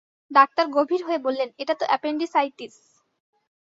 Doctor গভীর হয়ে বললেন, এটা তো অ্যাপেণ্ডিসাইটিস।